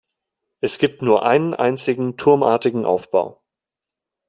Es gibt nur einen einzigen turmartigen Aufbau.